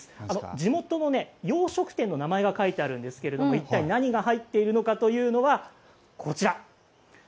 地元の洋食店の名前が書いてあるんですけれども一体何が入っているのかというのがこちら。